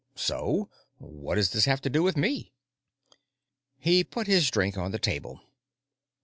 "So? What does this have to do with me?" He put his drink on the table.